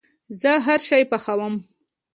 زه هرشی پخوم